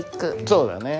そうだよね。